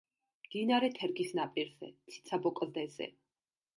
მდინარე თერგის ნაპირზე, ციცაბო კლდეზე.